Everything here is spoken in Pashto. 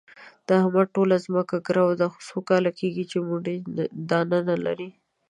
د احمد ټوله ځمکه ګرو ده، څو کاله کېږي چې موټی دانه نه لري.